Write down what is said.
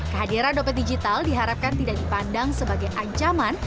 kehadiran dompet digital diharapkan tidak dipandang sebagai ancaman